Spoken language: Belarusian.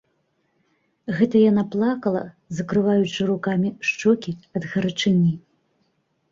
Гэта яна плакала, закрываючы рукамі шчокі ад гарачыні.